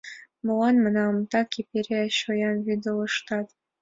— Молан, — манам, — так эпере шоям вӱдылыштат!